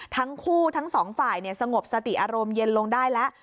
ทั้งสองฝ่ายสงบสติอารมณ์เย็นลงได้แล้ว